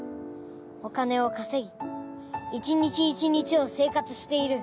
お金を稼ぎ一日一日を生活している。